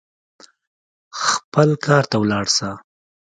خپل کار ته ولاړ سه.